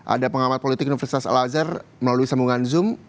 ada pengamat politik universitas al azhar melalui sambungan zoom